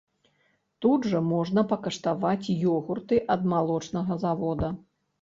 Тут жа можна пакаштаваць ёгурты ад малочнага завода.